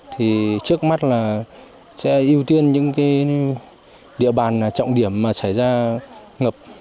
thì trước mắt là sẽ ưu tiên những cái địa bàn trọng điểm mà xảy ra ngập